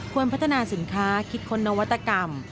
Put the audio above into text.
พัฒนาสินค้าคิดค้นนวัตกรรม